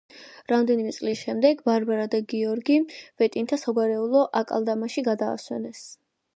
რამდენიმე წლის შემდეგ, ბარბარა და გეორგი ვეტინთა საგვარეულო აკლდამაში გადაასვენეს.